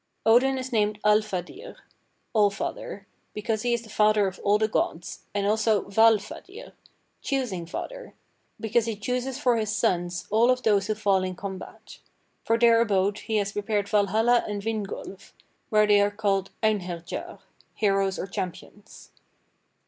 "Odin is named Alfadir (All father), because he is the father of all the gods, and also Valfadir (Choosing Father), because he chooses for his sons all of those who fall in combat. For their abode he has prepared Valhalla and Vingolf, where they are called Einherjar (Heroes or Champions).